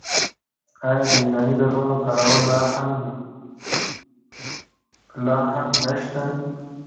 آیا د یوناني درملو کارول لا هم نشته؟